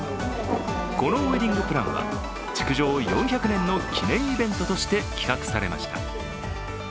このウエディングプランは築城４００年の記念イベントとして企画されました。